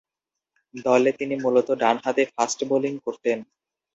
দলে তিনি মূলতঃ ডানহাতি ফাস্ট-বোলিং করতেন।